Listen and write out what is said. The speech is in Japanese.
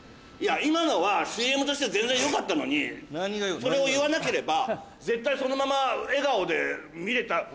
いや今のはＣＭとして全然良かったのにそれを言わなければ絶対そのまま笑顔で見れた。